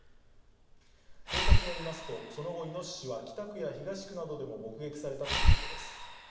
警察によりますとその後いのししは北区や東区などでも目撃されたということです。